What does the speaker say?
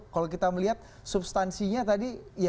kalau kita melihat substansinya tadi